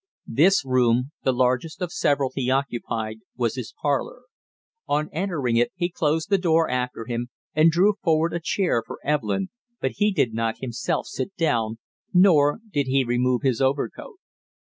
This room, the largest of several, he occupied, was his parlor. On entering it he closed the door after him, and drew forward a chair for Evelyn, but he did not himself sit down, nor did he remove his overcoat.